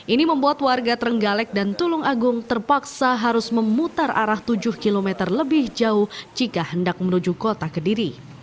ini membuat warga trenggalek dan tulung agung terpaksa harus memutar arah tujuh km lebih jauh jika hendak menuju kota kediri